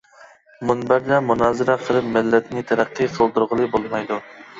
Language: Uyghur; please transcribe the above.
مۇنبەردە مۇنازىرە قىلىپ مىللەتنى تەرەققىي قىلدۇرغىلى بولمايدۇ.